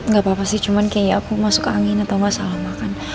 gak apa apa sih cuman kayaknya aku masuk angin atau gak salah makan